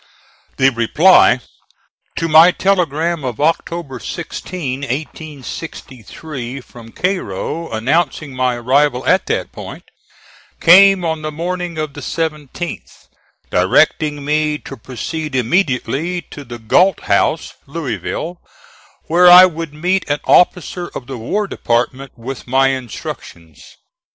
The reply (to my telegram of October 16, 1863, from Cairo, announcing my arrival at that point) came on the morning of the 17th, directing me to proceed immediately to the Galt House, Louisville, where I would meet an officer of the War Department with my instructions.